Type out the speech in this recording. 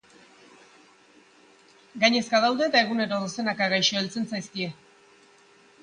Gainezka daude eta egunero dozenaka gaixo heltzen zaizkie.